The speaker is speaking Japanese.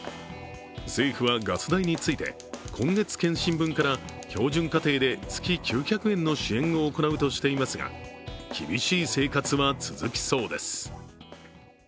政府はガス代について、今月検針分から標準家庭で月９００円の支援を行うとしていますが厳しい生活は続きそうです。